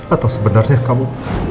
atau sebenarnya kamu